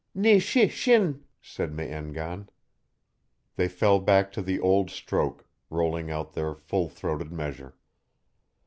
"Ni shi shin," said Me en gan. They fell back to the old stroke, rolling out their full throated measure.